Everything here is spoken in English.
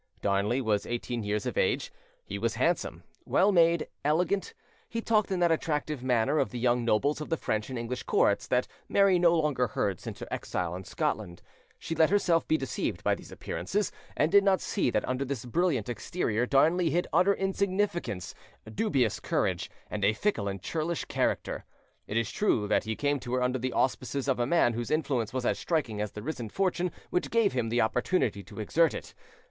Darnley was eighteen years of age: he was handsome, well made, elegant; he talked in that attractive manner of the young nobles of the French and English courts that Mary no longer heard since her exile in Scotland; she let herself be deceived by these appearances, and did not see that under this brilliant exterior Darnley hid utter insignificance, dubious courage, and a fickle and churlish character. It is true that he came to her under the auspices of a man whose influence was as striking as the risen fortune which gave him the opportunity to exert it.